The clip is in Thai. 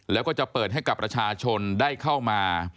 แล้วก็จะเปิดให้กับประชาชนได้เข้ามา